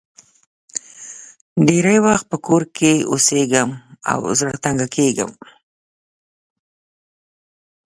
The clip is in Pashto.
ډېری وخت په کور کې اوسېږم او زړه تنګ کېږم.